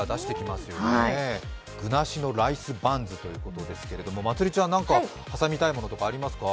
む具なしのライスバンズということでまつりちゃん、何か挟みたいものありますか？